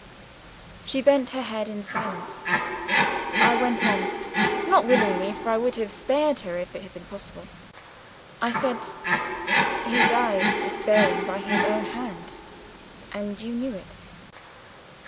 "She bent her head in silence. "I went on not willingly, for I would have spared her if it had been possible. I said, 'He died, despairing, by his own hand and you knew it?